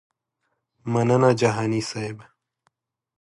مننه جهاني صیب.